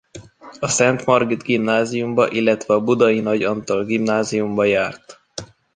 A Szent Margit Gimnáziumba illetve a Budai Nagy Antal Gimnáziumba járt.